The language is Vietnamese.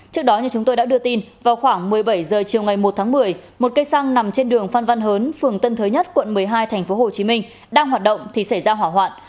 trước đó như chúng tôi đã đưa tin vào khoảng một mươi bảy h chiều ngày một tháng một mươi một cây xăng nằm trên đường phan văn hớn phường tân thới nhất quận một mươi hai tp hcm đang hoạt động thì xảy ra hỏa hoạn